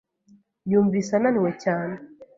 Yumvise ananiwe cyane.